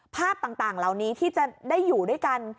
ภาพต่างเหล่านี้ที่จะได้อยู่ด้วยกัน